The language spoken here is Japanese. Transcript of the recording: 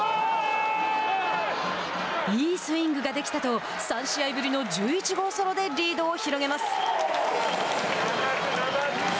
いいスイングができたと３試合ぶりの１１号ソロでリードを広げます。